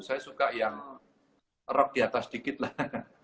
saya suka yang rock di atas dikit lah